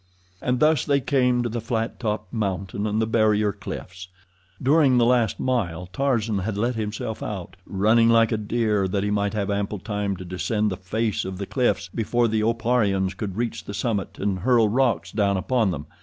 And thus they came to the flat topped mountain and the barrier cliffs. During the last mile Tarzan had let himself out, running like a deer that he might have ample time to descend the face of the cliffs before the Oparians could reach the summit and hurl rocks down upon them.